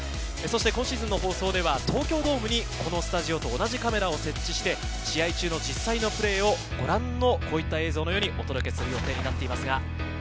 今シーズンの放送では東京ドームにこのスタジオと同じカメラを設置して、試合中の実際のプレーをご覧の映像のようにお届けする予定になっています。